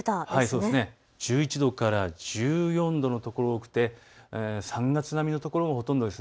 １１度から１４度の所が多くて３月並みの所がほとんどです。